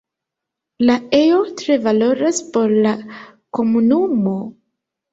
La ejo tre valoras por la komunumo.